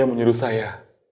dia menyuruh saya